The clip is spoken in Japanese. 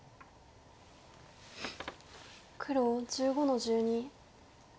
黒１５の十二。